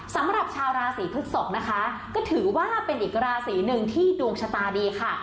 สำหรับชาวราศีพฤกษกนะคะก็ถือว่าเป็นอีกราศีหนึ่งที่ดวงชะตาดีค่ะ